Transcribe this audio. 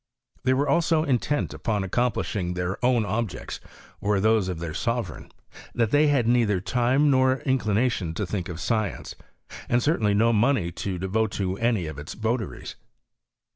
They were all so intent upon accom plishing their own objects, or those oftheir sovereign, that they had neither time nor inclination to think of science, and certainly no money to devote to any of its votaries.